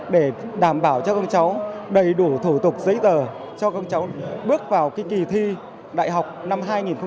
để đảm bảo cho con cháu đầy đủ thủ tục giấy giờ cho con cháu bước vào kỳ thi đại học năm hai nghìn hai mươi một